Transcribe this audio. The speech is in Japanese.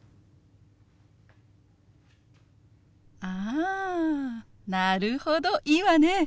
あなるほどいいわね。